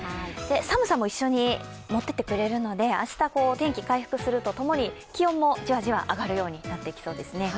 寒さも一緒に持っていってくれるので、明日天気回復するとともに気温もじわじわ上がるようになっていきそうですね。